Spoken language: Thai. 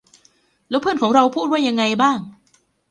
แล้วเพื่อนของเราพูดว่ายังไงบ้าง